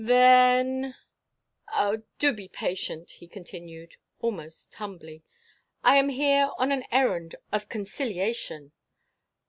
"Then—?" "Ah, do be patient," he continued, almost humbly. "I am here on an errand of conciliation."